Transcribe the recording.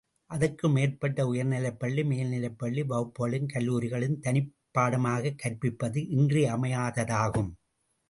அதற்கு மேற்பட்ட உயர்நிலைப்பள்ளி மேல்நிலைப்பள்ளி வகுப்புகளிலும் கல்லூரிகளிலும் தனிப்பாடமாகக் கற்பிப்பது இன்றியமையாததாகும்.